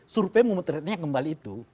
survei memutuskannya kembali itu